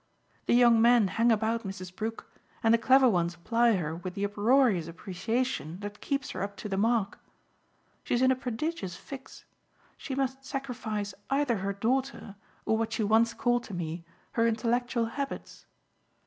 The young men hang about Mrs. Brook, and the clever ones ply her with the uproarious appreciation that keeps her up to the mark. She's in a prodigious fix she must sacrifice either her daughter or what she once called to me her intellectual habits.